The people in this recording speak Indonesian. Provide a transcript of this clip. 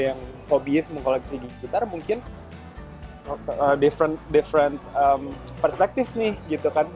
yang hobi is mengkoleksi gitar mungkin different perspective nih gitu kan